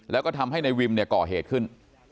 แล้วก็ทำให้ในวิมเกาะเหตุขึ้น